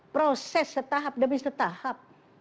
proses setahap demi setahap